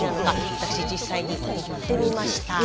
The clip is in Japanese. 私実際に行ってみました。